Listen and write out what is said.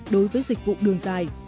đối với dịch vụ đường dài